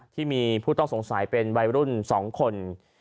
ที่มีผู้ต้องสงสัยเป็นวัยรุ่น๒คน